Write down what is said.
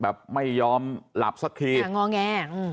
แบบไม่ยอมหลับสักทีจะงอแง